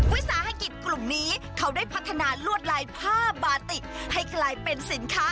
วิสาหกิจกลุ่มนี้เขาได้พัฒนาลวดลายผ้าบาติกให้กลายเป็นสินค้า